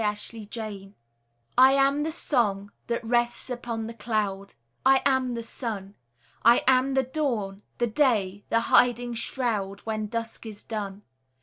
I AM THE WORLD I am the song, that rests upon the cloud; I am the sun: I am the dawn, the day, the hiding shroud, When dusk is done.